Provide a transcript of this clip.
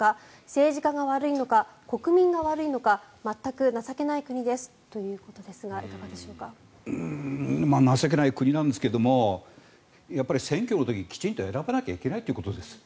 政治家が悪いのか国民が悪いのか全く情けない国ですということですが情けない国なんですけども選挙の時、きちんと選ばないといけないということです。